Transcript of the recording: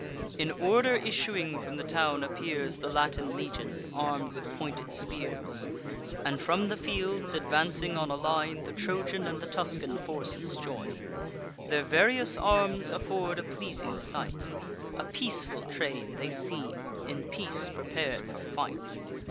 In order issuing from the town appears The Latin legion, arm'd with pointed spears; And from the fields, advancing on a line, The Trojan and the Tuscan forces join: Their various arms afford a pleasing sight; A peaceful train they seem, in peace prepar'd for fight.